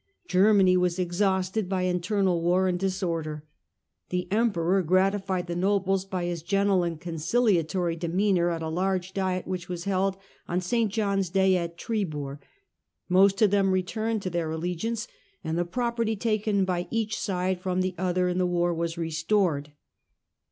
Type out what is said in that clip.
Germany was exhausted by internal war and disorder ; the emperor gratified the nobles by his gentle and conciliatory demeanour at a large diet which was held on St. John's day at Tribur ; most of them returned to their allegiance, and the property taken by each side from the other in the war was restored.